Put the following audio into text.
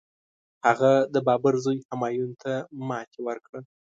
هغه د بابر زوی همایون ته ماتي ورکړه.